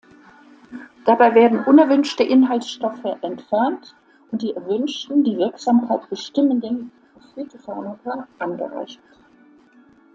Dabei werden unerwünschte Inhaltsstoffe entfernt und die erwünschten, die Wirksamkeit bestimmenden Phytopharmaka, angereichert.